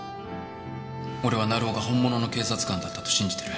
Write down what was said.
俺は成尾が本物の警察官だったと信じてる。